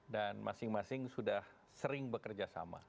dan masing masing sudah sering bekerjasama